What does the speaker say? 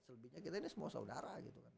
selebihnya kita ini semua saudara gitu kan